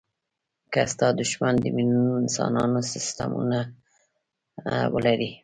که ستا دوښمن د میلیونونو انسانانو سستمونه ولري.